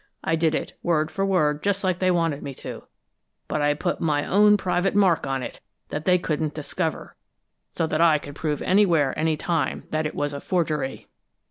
I did it, word for word, just like they wanted me to but I put my own private mark on it, that they couldn't discover, so that I could prove anywhere, any time, that it was a forgery!"